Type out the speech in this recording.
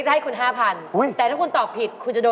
มันด้วยมันตั้งค่ะไม่เคยซื้อแต่เคยเห็น